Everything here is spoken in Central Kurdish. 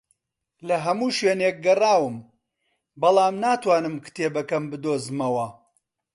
لە هەموو شوێنێک گەڕاوم، بەڵام ناتوانم کتێبەکەم بدۆزمەوە